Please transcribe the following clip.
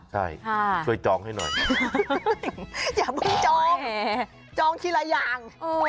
ใช่ช่วยจองให้หน่อยอย่าเพิ่งจองจองทีละอย่าง